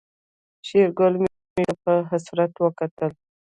شېرګل ميږې ته په حسرت وکتل.